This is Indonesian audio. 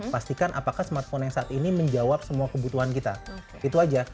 pastikan apakah smartphone yang saat ini menjawab semua kebutuhan kita itu aja